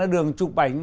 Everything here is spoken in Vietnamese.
đường chụp ảnh